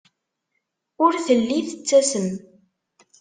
Ur telli tettasem.